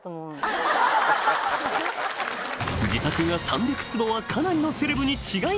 自宅が３００坪はかなりのセレブに違いない！